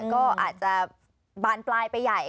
ก็อาจจะบานปลายไปใหญ่